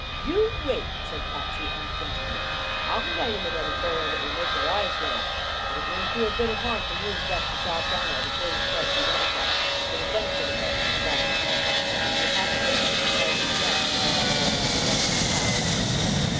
"You wait," said Patsy unflinchingly. "I'll write 'em an editorial that will make their eyes roll. But it won't do a bit of harm for you and Beth to jot down all the brilliant thoughts you run across, for the benefit of our subscribers." "We haven't any subscribers yet," remarked Beth, placidly.